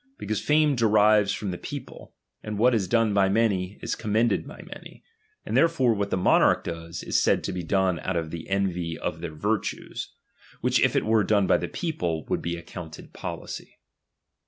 Because fame derives from the people ; and what is done by many, is commended by many. And therefore what the monarch does, is said to be done out of envy to their virtues ; which if it were done hy the people, would be accounted policy.